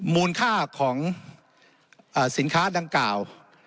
มูลค่าของสินค้าดังกล่าว